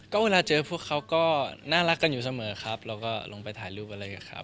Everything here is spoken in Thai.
ก็เวลาเจอพวกเขาก็น่ารักกันอยู่เสมอครับเราก็ลงไปถ่ายรูปอะไรกับเขา